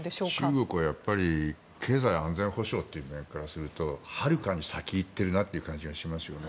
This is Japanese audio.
中国はやっぱり経済安全保障という面からするとはるかに先をいってるなという感じがしますよね。